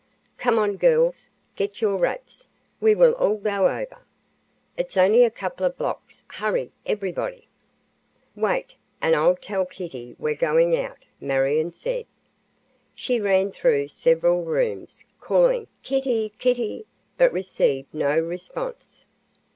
"Come on, girls; get your wraps; we will all go over. It's only a couple of blocks. Hurry, everybody!" "Wait, and I'll tell Kitty we're going out," Marion said. She ran through several rooms, calling "Kittie! Kittie!" but received no response.